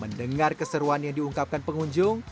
mendengar keseruan yang diungkapkan pengunjung